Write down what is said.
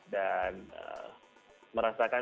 dan merasakan pertemuan